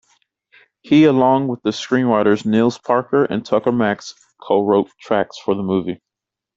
He, along with screenwriters Nils Parker and Tucker Max, co-wrote tracks for the movie.